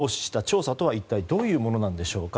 質問権を行使した調査とは一体どういうものなんでしょうか。